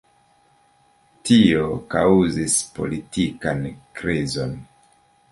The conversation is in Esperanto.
Tio kaŭzis politikan krizon.